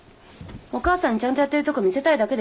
お母さんにちゃんとやってるとこ見せたいだけでしょ？